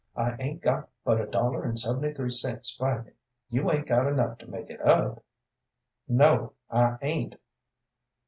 I 'ain't got but a dollar and seventy three cents by me. You 'ain't got enough to make it up?" "No, I 'ain't."